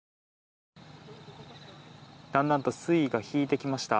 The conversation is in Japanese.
だんだんと水位が引いてきました。